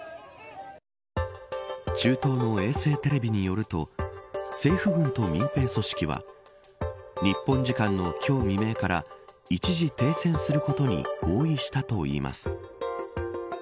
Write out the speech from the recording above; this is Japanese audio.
中東の衛星テレビによると政府軍と民兵組織は日本時間の今日未明から一時停戦することに合意したといいます。